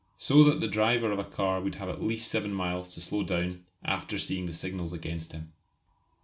So that the driver of a car would have at least 7 miles to slow down in after seeing the signals against him.